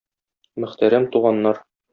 Мөхтәрәм туганнар!